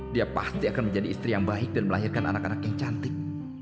dia pasti akan menjadi istri yang baik dan melahirkan anak anak yang cantik